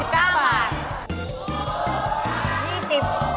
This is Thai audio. ๔๙บาท